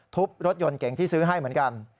ทุบรถยนต์เก่งที่ซื้อให้เหมือนกัน